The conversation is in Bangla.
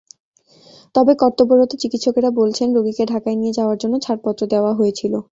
তবে কর্তব্যরত চিকিৎসকেরা বলছেন, রোগীকে ঢাকায় নিয়ে যাওয়ার জন্য ছাড়পত্র দেওয়া হয়েছিল।